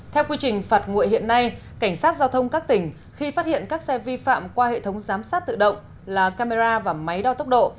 theo quy trình phạt nguội hiện nay cảnh sát giao thông các tỉnh khi phát hiện các xe vi phạm qua hệ thống giám sát tự động là camera và máy đo tốc độ